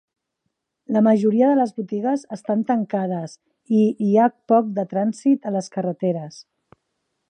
La majoria de les botigues estan tancades i hi ha poc de trànsit a les carreteres.